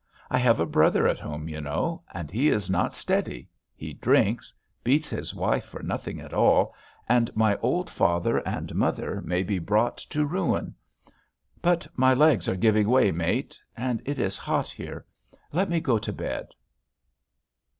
I have a brother at home, you know, and he is not steady; he drinks, beats his wife for nothing at all, and my old father and mother may be brought to ruin. But my legs are giving way, mate, and it is hot here.... Let me go to bed."